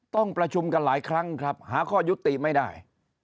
ต้องประชุมกันหลายครั้งครับหาข้อยุติไม่ได้